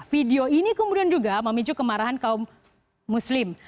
video ini kemudian juga memicu kemarahan kaum muslim